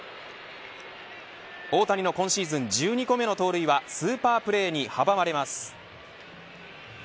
大谷の今シーズン１２個目の盗塁はスーパープレーに阻まれます。